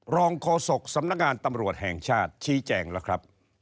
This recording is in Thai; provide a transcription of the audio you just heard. โฆษกสำนักงานตำรวจแห่งชาติชี้แจงแล้วครับ